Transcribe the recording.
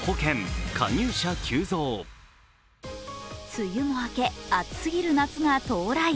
梅雨も明け、暑すぎる夏が到来。